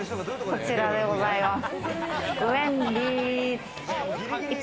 こちらでございます。